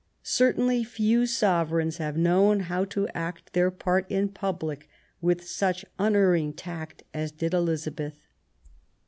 Certainly few sovereigns have known how to act their part in public with such unerring tact as did Elizabeth.